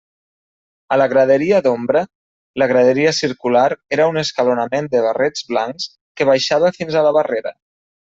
A la graderia d'ombra, la graderia circular era un escalonament de barrets blancs que baixava fins a la barrera.